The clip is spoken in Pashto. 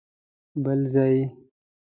بل ځای؟!